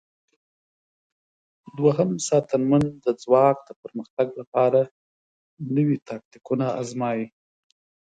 دوهم ساتنمن د ځواک د پرمختګ لپاره نوي تاکتیکونه آزمايي.